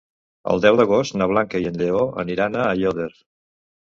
El deu d'agost na Blanca i en Lleó aniran a Aiòder.